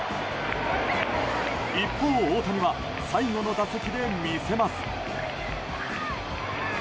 一方、大谷は最後の打席で見せます。